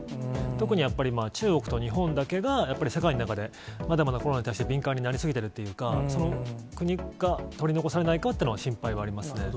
特にやっぱり、中国と日本だけがやっぱり世界の中でまだまだコロナに対して敏感になり過ぎてるというか、その国が取り残されないかというのは心配はありますね。